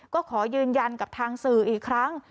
ก็ขอยืนยันกับทางสื่ออีกครั้ง